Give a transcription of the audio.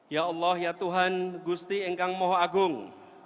ya allah ya tuhan gusti engkang mohagung